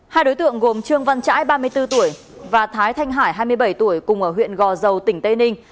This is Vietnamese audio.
hai đối tượng gồm trương văn trãi ba mươi bốn tuổi và thái thanh hải hai mươi bảy tuổi cùng ở huyện gò dầu tỉnh tây ninh